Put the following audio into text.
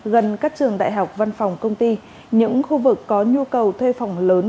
gần các trường đại học văn phòng công ty những khu vực có nhu cầu thuê phòng lớn